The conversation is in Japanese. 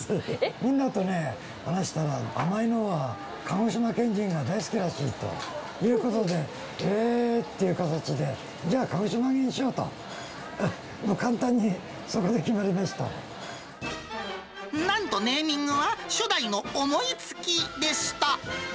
みんなとね、話したら甘いのは鹿児島県人が大好きらしいということで、えー？っていう形で、じゃあ、鹿児島揚げにしようと、もう簡単に、なんとネーミングは、初代の思いつきでした。